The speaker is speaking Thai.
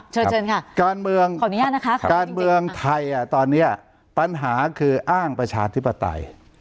เชิญค่ะการเมืองไทยตอนนี้ปัญหาคืออ้างประชาธิปไตย